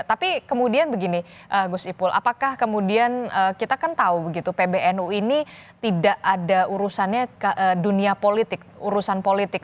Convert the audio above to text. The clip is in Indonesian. tapi kemudian begini gus ipul apakah kemudian kita kan tahu begitu pbnu ini tidak ada urusannya ke dunia politik urusan politik